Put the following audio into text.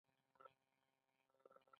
تازه شیان او خواږه